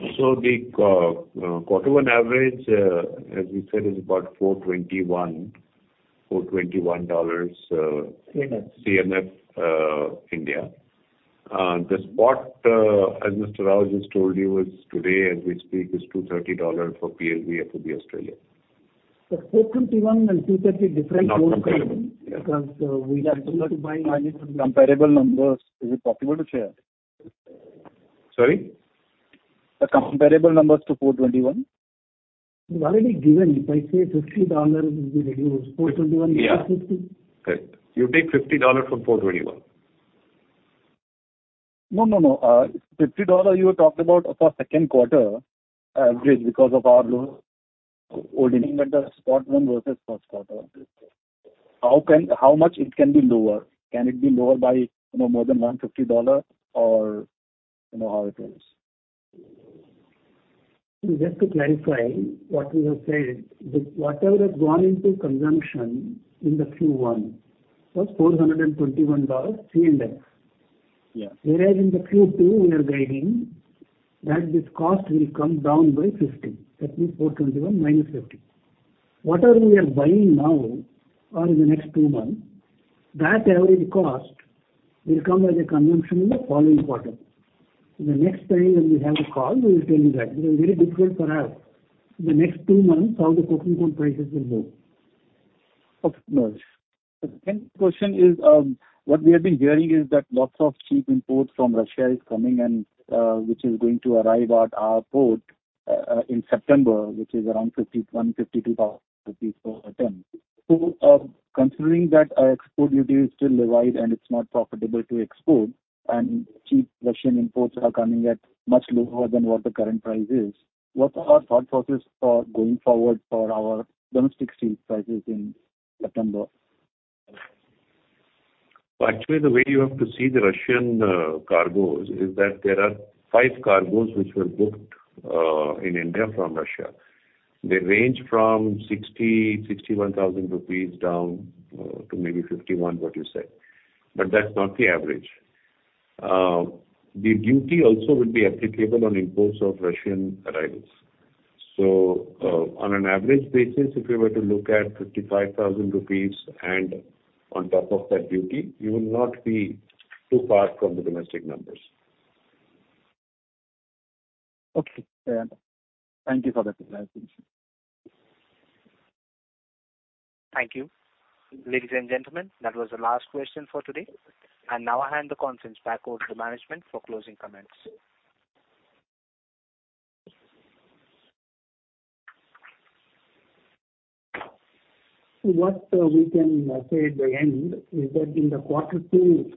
The quarter one average, as we said, is about $421. CNF. CNF India. The spot, as Mr. Rao just told you, is today, as we speak, $230 for PSV FOB Australia. But four twenty-one and two thirty different- Not comparable. because we have to buy Comparable numbers. Is it possible to share? Sorry? The comparable numbers to 421. We've already given it by saying $50 will be reduced. 421 - 50. Yeah. Correct. You take $50 from $421. No. $50 you were talking about for second quarter average because of our low ordering at the spot ton versus first quarter. How much it can be lower? Can it be lower by, you know, more than $150 or, you know, how it is? Just to clarify what we have said, the whatever has gone into consumption in the Q1 was $421 CNF. Yeah. Whereas in the Q2, we are guiding that this cost will come down by $50. That means $421 - $50. Whatever we are buying now or in the next two months, that average cost will come as a consumption in the following quarter. The next time when we have a call, we will tell you that. It is very difficult for us. In the next two months, how the coking coal prices will move. The second question is, what we have been hearing is that lots of cheap imports from Russia is coming and, which is going to arrive at our port, in September, which is around 51,000-52,000 rupees per ton. Considering that our export duty is still revised and it's not profitable to export and cheap Russian imports are coming at much lower than what the current price is, what are our thought process for going forward for our domestic steel prices in September? Actually, the way you have to see the Russian cargos is that there are five cargos which were booked in India from Russia. They range from 61,000 rupees down to maybe 51, what you said. But that's not the average. The duty also will be applicable on imports of Russian arrivals. On an average basis, if you were to look at 55,000 rupees and on top of that duty, you will not be too far from the domestic numbers. Okay. Yeah. Thank you for the clarification. Thank you. Ladies and gentlemen, that was the last question for today. Now I hand the conference back over to the management for closing comments. What we can say at the end is that in the quarter two,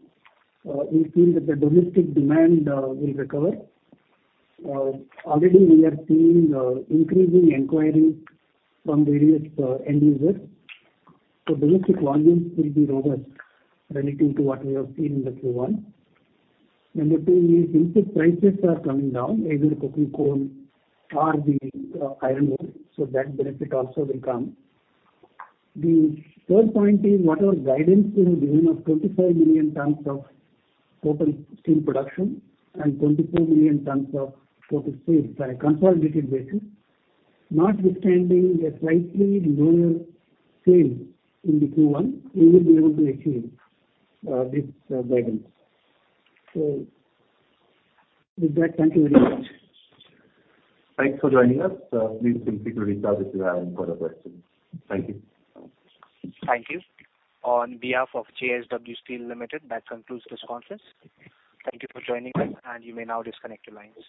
we feel that the domestic demand will recover. Already we are seeing increasing inquiries from various end users. Domestic volumes will be robust relating to what we have seen in the Q1. Number two is input prices are coming down, either coking coal or the iron ore, so that benefit also will come. The third point is whatever guidance we have given of 24 million tons of total steel production and 24 million tons of total steel by consolidated basis, notwithstanding a slightly lower sale in the Q1, we will be able to achieve this guidance. With that, thank you very much. Thanks for joining us. Please feel free to reach out if you have any further questions. Thank you. Thank you. On behalf of JSW Steel Limited, that concludes this conference. Thank you for joining us, and you may now disconnect your lines.